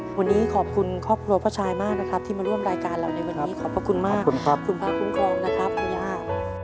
วันนี้ขอบคุณครอบครัวพ่อชายมากนะครับที่มาร่วมรายการเราในวันนี้ขอบพระคุณมากคุณพระคุ้มครองนะครับคุณย่า